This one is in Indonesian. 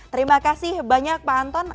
terima kasih banyak pak anton